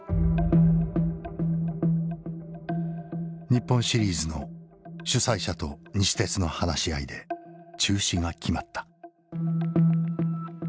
日本シリーズの主催者と西鉄の話し合いで中止が決まった。